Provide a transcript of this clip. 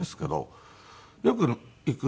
よく行く。